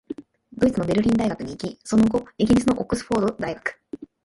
ドイツのベルリン大学に行き、その後、イギリスのオックスフォード大学、